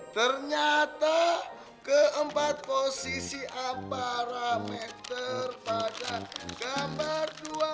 ternyata keempat posisi amparameter pada gambar dua puluh satu lima